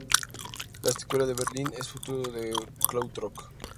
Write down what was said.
La escuela de Berlín es fruto del krautrock.